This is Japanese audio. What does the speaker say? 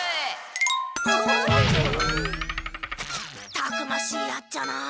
たくましいやっちゃなあ。